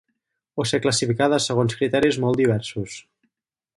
O ser classificada segons criteris molt diversos.